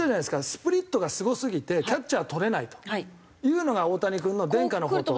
スプリットがすごすぎてキャッチャー捕れないというのが大谷君の伝家の宝刀。